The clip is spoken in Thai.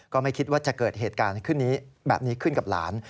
ก็ไม่คิดว่าจะเกิดเหตุการณ์ขึ้นแบบนี้ขึ้นกับหลาน